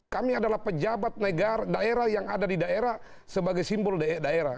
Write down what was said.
kami adalah pejabat negara yang ada di daerah sebagai simbol daerah